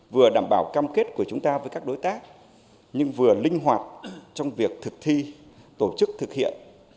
vừa đảm bảo cam kết của chúng ta với các đối tác nhưng vừa linh hoạt trong việc thực thi tổ chức thực hiện